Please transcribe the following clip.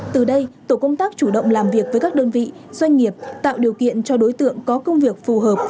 từ đây tổ công tác chủ động làm việc với các đơn vị doanh nghiệp tạo điều kiện cho đối tượng có công việc phù hợp